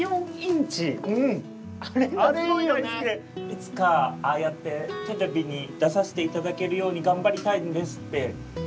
「いつかああやってテレビに出させていただけるように頑張りたいんです」って言いながら。